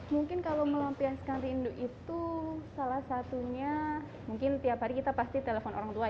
mungkin kalau melampiaskan rindu itu salah satunya mungkin tiap hari kita pasti telepon orang tua